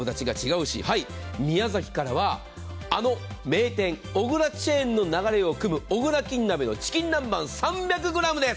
宮崎からは、あの名店、おぐらチェーンの流れをくむおぐらきんなべのチキン南蛮３００ｇです。